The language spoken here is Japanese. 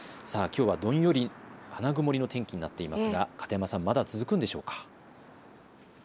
さあ、きょうはどんより花曇りの天気になっていますが片山さんまだ続くんでしょうか。